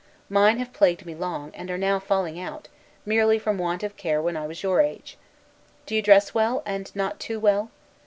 Mine have plagued me long, and are now falling out, merely from want of care when I was your age. Do you dress well, and not too well?